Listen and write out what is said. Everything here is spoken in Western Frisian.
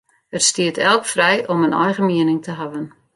It stiet elk frij om in eigen miening te hawwen.